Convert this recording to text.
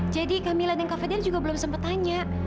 jadi kamila dan kak fadil juga belum sempat tanya